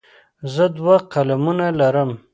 زه دوه قلمونه لرم.